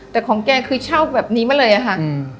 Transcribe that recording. แต่ของแกคือเช่าแบบนี้มาเลยอะค่ะ